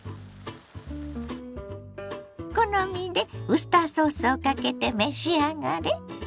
好みでウスターソースをかけて召し上がれ。